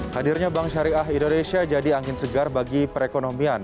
hadirnya bank syariah indonesia jadi angin segar bagi perekonomian